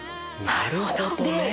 なるほどね。